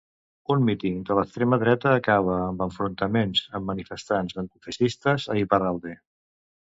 Un míting de l'extrema dreta acaba amb enfrontaments amb manifestants antifeixistes a Iparralde.